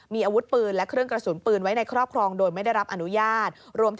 มีอาวุธปืนและเครื่องกระสุนปืนไว้ในครอบครองโดยไม่ได้รับอนุญาต